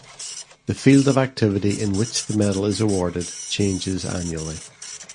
The field of activity in which the medal is awarded changes annually.